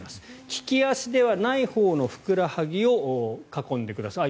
利き足ではないほうのふくらはぎを囲んでください。